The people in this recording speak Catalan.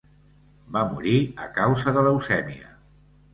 Va morir a causa de leucèmia.